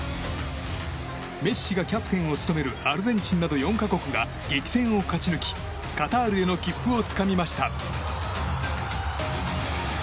メッシがキャプテンを務めるアルゼンチンなど４か国が激戦を勝ち抜きカタールへの切符をつかみました。